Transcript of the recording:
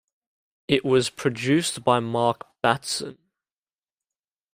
It was produced by Mark Batson.